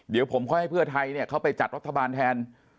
เดี๋ยวผมให้เพื่อไทยเขาไปจัดรัฐบาลแทน